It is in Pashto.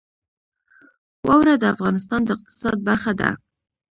واوره د افغانستان د اقتصاد برخه ده.